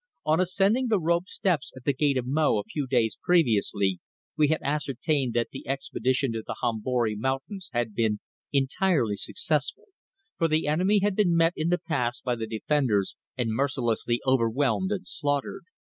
On ascending the rope steps at the Gate of Mo a few days previously we had ascertained that the expedition to the Hombori Mountains had been entirely successful, for the enemy had been met in the pass by the defenders and mercilessly overwhelmed and slaughtered.